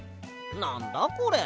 なんだこれ。